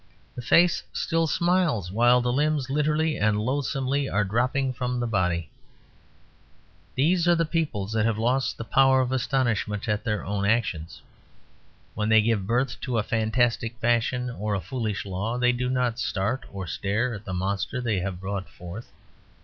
The face still smiles while the limbs, literally and loathsomely, are dropping from the body. These are peoples that have lost the power of astonishment at their own actions. When they give birth to a fantastic fashion or a foolish law, they do not start or stare at the monster they have brought forth.